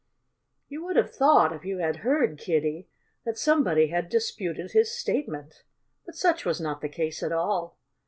_ You would have thought, if you had heard Kiddie, that somebody had disputed his statement. But such was not the case at all.